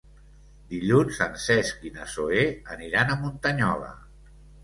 Dilluns en Cesc i na Zoè aniran a Muntanyola.